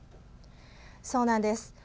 そうなんです。